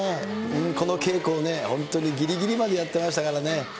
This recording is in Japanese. この稽古、本当にぎりぎりまでやってましたからね。